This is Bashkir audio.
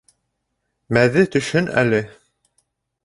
Мәҙе төшһөн әле.